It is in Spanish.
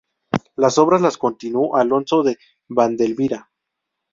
Las obras las continuó Alonso de Vandelvira.